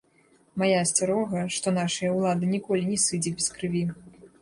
Мая асцярога, што нашая ўлада ніколі не сыдзе без крыві.